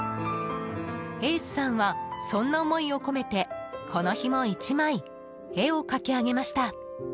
エースさんはそんな思いを込めてこの日も１枚絵を描き上げました。